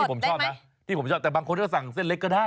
ผมชอบนะที่ผมชอบแต่บางคนก็สั่งเส้นเล็กก็ได้